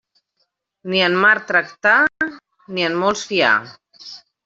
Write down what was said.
Ni en mar tractar, ni en molts fiar.